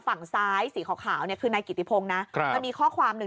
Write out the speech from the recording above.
ฝั่งซ้ายสีขาวเนี่ยคือนายกิติพงศ์นะมันมีข้อความหนึ่ง